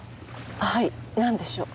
はいなんでしょう？